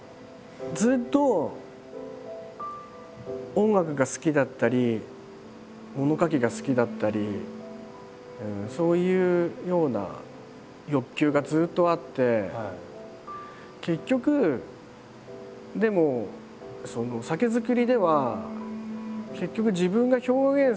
ずっと音楽が好きだったり物書きが好きだったりそういうような欲求がずっとあって結局でもああそうですか？